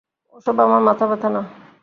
ওসব আমার মাথাব্যথা না।